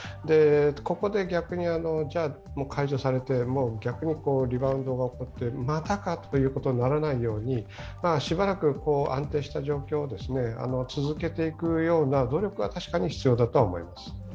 ここで逆に、解除されてリバウンドが起こって、またかということにならないようにしばらく安定した状況を続けていくような努力は確かに必要だとは思います。